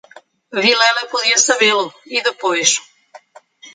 Vilela podia sabê-lo, e depois...